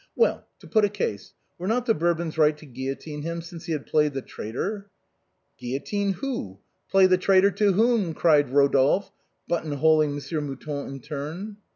Well, to put a case. Were not the Bour bons right to guillotine him, since he had played the traitor?" " Guillotine who ? Play the traitor to whom ?" cried Eodolphe, button holing Monsieur Mouton in turn.